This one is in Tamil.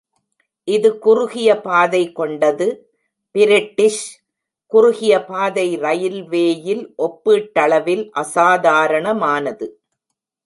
இது குறுகிய பாதை கொண்டது, பிரிட்டிஷ் குறுகிய பாதை ரயில்வேயில் ஒப்பீட்டளவில் அசாதாரணமானது.